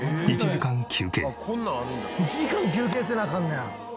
「１時間休憩せなアカンねや」